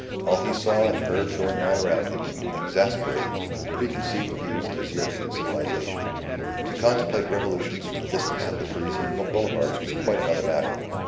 All he saw and heard going on around him exasperated the preconceived views of his European civilization. To contemplate revolutions from the distance of the Parisian Boulevards was quite another matter.